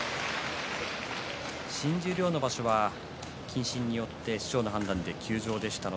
新十両の場所は謹慎によって師匠の判断によって休場でした。